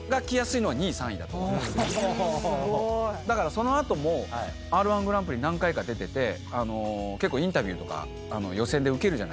その後もＲ−１ぐらんぷり何回か出てて結構インタビューとか予選で受けるじゃないですか。